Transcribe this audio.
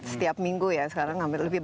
setiap minggu ya sekarang